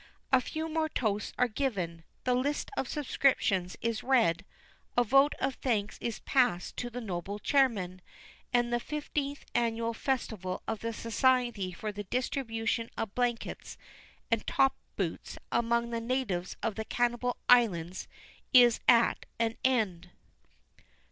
A few more toasts are given, the list of subscriptions is read, a vote of thanks is passed to the noble chairman; and the Fifteenth Annual Festival of the Society for the Distribution of Blankets and Top boots among the Natives of the Cannibal Islands is at an end.